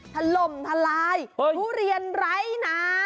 ทะลมทะลายทุเรียนไร้น้ำ